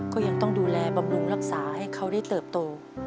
ก็ยังต้องดูแลบำรุงรักษาให้เขาได้เติบโต